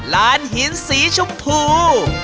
ลานหินสีชมพู